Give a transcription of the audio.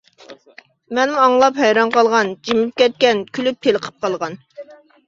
مەنمۇ ئاڭلاپ ھەيران قالغان، جىمىپ كەتكەن، كۈلۈپ تېلىقىپ قالغان.